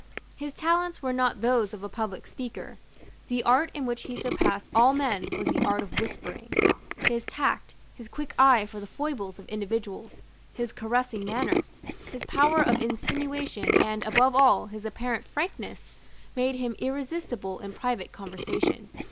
His talents were not those of a public speaker. The art in which he surpassed all men was the art of whispering. His tact, his quick eye for the foibles of individuals, his caressing manners, his power of insinuation, and, above all, his apparent frankness, made him irresistible in private conversation.